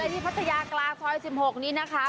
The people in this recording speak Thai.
ไปเลยที่พัฒนากราซอย๑๖นี้นะคะ